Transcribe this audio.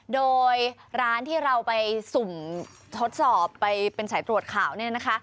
โดยร้านที่เราไปสุ่มทดสอบไปเป็นสายตรวจข่าวเนี่ยนะคะ